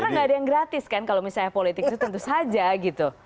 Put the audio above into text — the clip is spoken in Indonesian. karena nggak ada yang gratis kan kalau misalnya politik itu tentu saja gitu